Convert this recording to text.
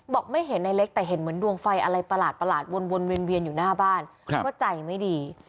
บอกไม่เห็นในเล็กแต่เห็นเหมือนดวงไฟอะไรประหลาดวนเวียนอยู่หน้าบ้านก็ใจไม่ดี